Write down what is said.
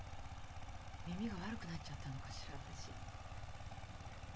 耳が悪くなっちゃったのかしら私。